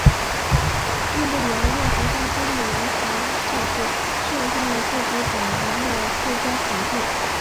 运动员用洪荒之力完成赛事，设下了自己本年的最佳成绩。